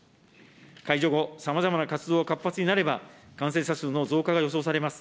解除後、さまざまな活動が活発になれば、感染者数の増加が予想されます。